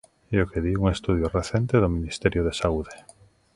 É o que di un estudo recente do Ministerio da Saúde.